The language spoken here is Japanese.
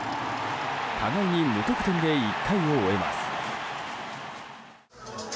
互いに無得点で１回を終えます。